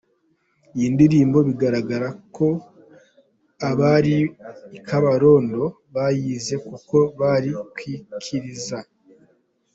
Iyi indirimbo biragaragara ko abari i Kabarondo bayizi kuko bari kwikiriza.